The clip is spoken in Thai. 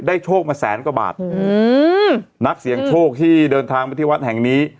โชคมาแสนกว่าบาทอืมนักเสียงโชคที่เดินทางมาที่วัดแห่งนี้